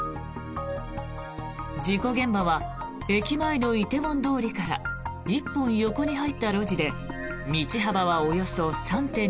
事故現場は駅前の梨泰院通りから１本横に入った路地で道幅はおよそ３．２ｍ